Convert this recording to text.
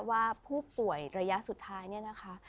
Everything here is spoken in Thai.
ว่าผู้ป่วยระยะสุดท้ายเนี่ยนะคะ